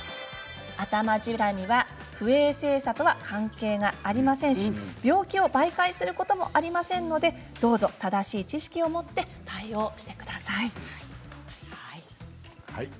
アタマジラミは不衛生さとは関係がありませんし病気を媒介することもありませんので、どうぞ正しい知識を持って対応してください。